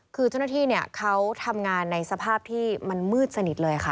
คือเจ้าหน้าที่เขาทำงานในสภาพที่มันมืดสนิทเลยค่ะ